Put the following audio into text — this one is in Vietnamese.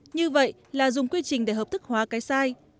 như vậy là dùng quy trình để hợp thức hóa cái sai